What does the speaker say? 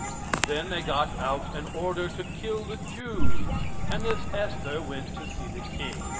Then they got out an order to kill the Jews, and this Esther went to see the king.